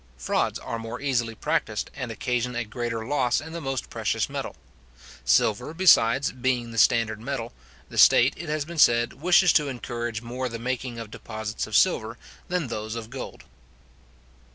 Frauds are more easily practised, and occasion a greater loss in the most precious metal. Silver, besides, being the standard metal, the state, it has been said, wishes to encourage more the making of deposits of silver than those of gold.